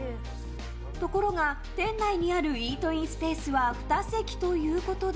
ところが、店内にあるイートインスペースは２席ということで。